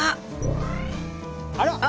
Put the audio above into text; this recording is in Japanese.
あら！